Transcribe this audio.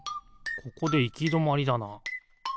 ここでいきどまりだな。